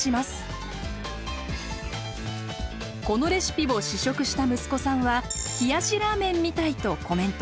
このレシピを試食した息子さんは冷やしラーメンみたいとコメント。